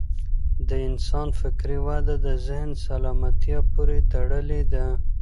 د انسان فکري وده د ذهن سالمتیا پورې تړلې ده.